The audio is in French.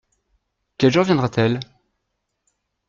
Quel jour viendra-t-elle ?